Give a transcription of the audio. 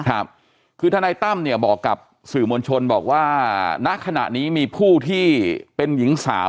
ครับคือทนายตั้มเนี่ยบอกกับสื่อมวลชนบอกว่าณขณะนี้มีผู้ที่เป็นหญิงสาว